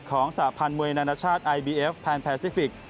สาพันธ์มวยนานาชาติไอบีเอฟแนนแพซิฟิกส